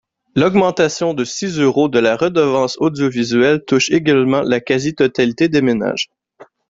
L’augmentation de six euros de la redevance audiovisuelle touche également la quasi-totalité des ménages.